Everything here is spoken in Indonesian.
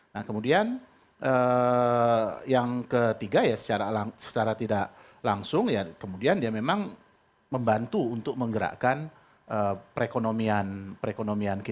nah kemudian yang ketiga ya secara tidak langsung ya kemudian dia memang membantu untuk menggerakkan perekonomian kita